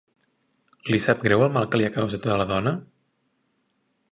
Li sap greu el mal que li ha causat a la dona?